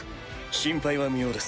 心配は無用です。